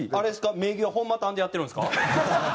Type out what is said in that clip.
名義は「ほんまたん」でやってるんですか？